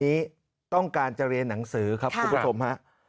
นี้ต้องการจะเรียนหนังสือครับคุณผู้ชมฮะ